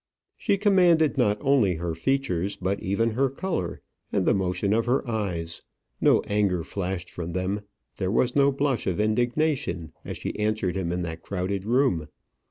She commanded not only her features, but even her colour, and the motion of her eyes. No anger flashed from them; there was no blush of indignation as she answered him in that crowded room.